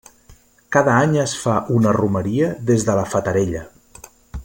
Cada any es fa una romeria des de la Fatarella.